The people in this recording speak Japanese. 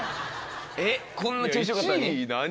えっこんな調子よかったのに？